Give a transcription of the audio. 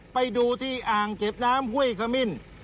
ไปดูที่อ่างเก็บน้ำห้วยขมิ้น